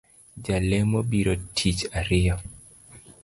Jalemo biro tich ariyo